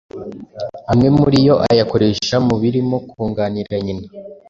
amwe muri yo ayakoresha mu birimo kunganira nyina